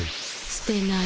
すてない。